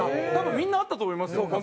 多分みんなあったと思いますよ